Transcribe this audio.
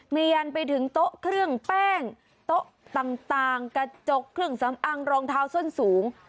เรียนไปถึงโต๊ะเครื่องแป้งโต๊ะต่างกระจกเครื่องสำอางรองเท้าส้นสูง